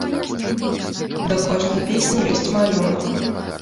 Да кожнай песні ёсць малюнак.